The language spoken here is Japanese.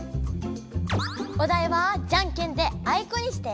おだいは「ジャンケンであいこ！」にして。